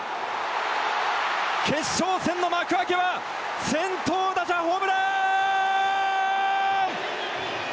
決勝戦の幕開けは先頭打者ホームラン！